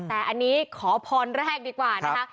แต่อันนี้ขอพรแรกดีกว่านะคะ